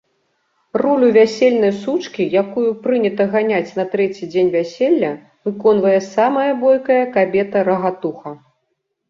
Ролю вясельнай сучкі, якую прынята ганяць на трэці дзень вяселля, выконвае самая бойкая кабета-рагатуха.